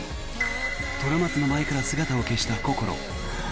虎松の前から姿を消したこころ。